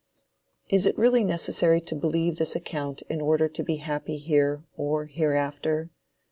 Is it really necessary to believe this account in order to be happy here, or hereafter?